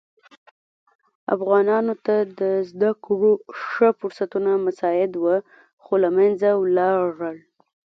افغانانو ته د زده کړو ښه فرصتونه مساعد وه خو له منځه ولاړل.